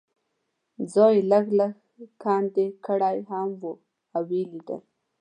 ځای یې لږ لږ کندې کړی هم و او یې لیدل.